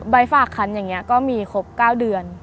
ฝากคันอย่างนี้ก็มีครบ๙เดือน